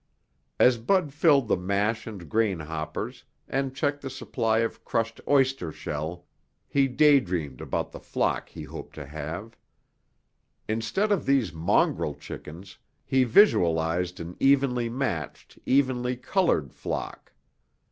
As Bud filled the mash and grain hoppers and checked the supply of crushed oyster shell, he daydreamed about the flock he hoped to have. Instead of these mongrel chickens, he visualized an evenly matched, evenly colored flock.